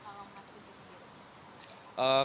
bagaimana kalau mas benci sendiri